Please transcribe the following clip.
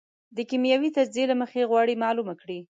د کېمیاوي تجزیې له مخې غواړي معلومه کړي.